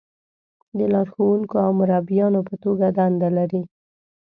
د لارښونکو او مربیانو په توګه دنده لري.